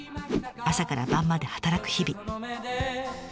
朝から晩まで働く日々。